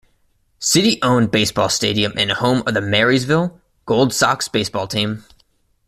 City owned baseball stadium and home of the Marysville Gold Sox Baseball team.